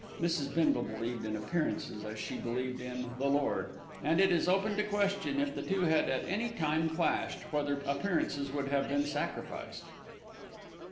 Mrs. Bindle believed in appearances as she believed in "the Lord," and it is open to question, if the two had at any time clashed, whether appearances would have been sacrificed.